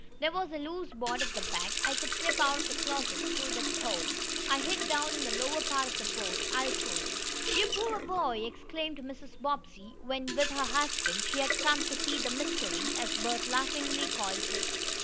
There was a loose board at the back. I could slip out of the closet through that hole. I hid down in the lower part of the boat. I'll show you." "You poor boy!" exclaimed Mrs. Bobbsey when, with her husband, she had come to see the "mystery," as Bert laughingly called him.